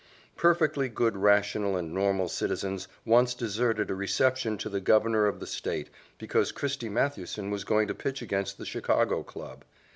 Perfectly good rational and normal citizens once deserted a reception to the Governor of the State because Christy Mathewson was going to pitch against the Chicago club.